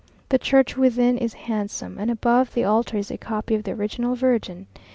The church within is handsome; and above the altar is a copy of the original Virgin.